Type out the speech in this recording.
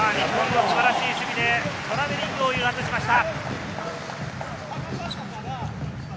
日本の素晴らしい守備でトラベリングを誘発しました。